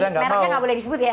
ternyata gak boleh disebut ya